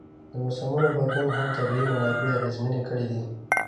د موسمونو بدلون هم طبیعي منابع اغېزمنې کړي دي.